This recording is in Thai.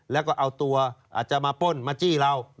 แล้วก็เอาตัวอาจจะมาป้นมาจี้เรา